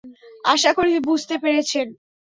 আশা করি বুঝতে পেরেছেন।